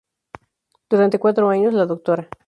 Durante cuatro años la Dra.